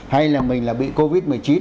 hay là mình là bị covid một mươi chín